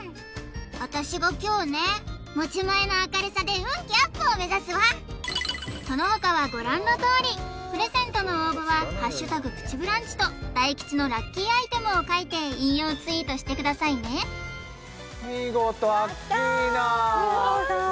私が凶ね持ち前の明るさで運気アップを目指すわそのほかはご覧のとおりプレゼントの応募は「＃プチブランチ」と大吉のラッキーアイテムを書いて引用ツイートしてくださいね見事アッキーナやったー！